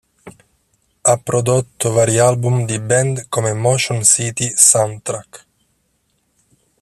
Ha prodotto vari album di band come Motion City Soundtrack.